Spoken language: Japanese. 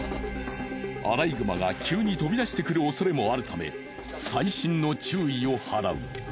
アライグマが急に飛び出してくる恐れもあるため細心の注意を払う。